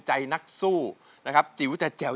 ใจนักสู้นะครับจิ๋วจาแจ๋ว